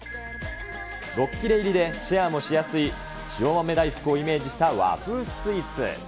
６切れ入りでシェアもしやすい、塩豆大福をイメージした和風スイーツ。